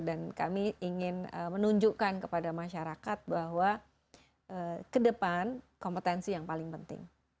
dan kami ingin menunjukkan kepada masyarakat bahwa kedepan kompetensi yang paling penting